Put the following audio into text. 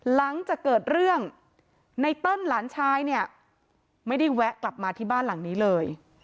หลังจากเกิดเรื่องไนเติ้ลหลานชายเนี่ยไม่ได้แวะกลับมาที่บ้านหลังนี้เลย